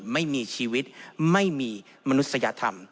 ไม่มีชีวิตไม่มีมนุษยธรรม